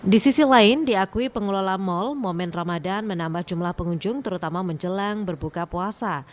di sisi lain diakui pengelola mal momen ramadan menambah jumlah pengunjung terutama menjelang berbuka puasa